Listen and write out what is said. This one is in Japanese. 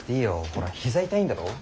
ほら膝痛いんだろ？